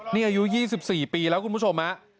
นี่อายุ๒๔ปีแล้วคุณผู้ชมฮะ